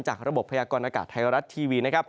จากระบบพยากรณ์อากาศไทยรัตน์ทีวี